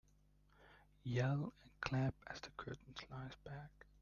Yell and clap as the curtain slides back.